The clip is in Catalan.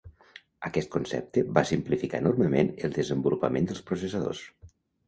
Aquest concepte va simplificar enormement el desenvolupament dels processadors.